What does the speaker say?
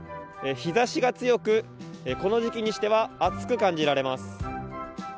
日差しが強くこの時期にしては暑く感じられます。